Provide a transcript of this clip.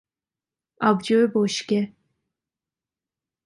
آبجو بشکه